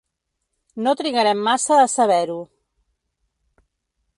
No trigarem massa a saber-ho.